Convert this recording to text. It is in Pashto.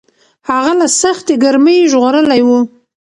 هغه له سختې ګرمۍ ژغورلی و.